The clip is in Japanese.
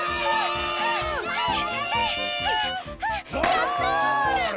やった！